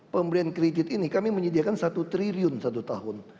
pemberian kredit ini kami menyediakan satu triliun satu tahun